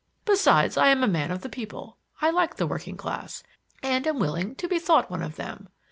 Besides, I am a man of the people. I like the working class, and am willing to be thought one of them.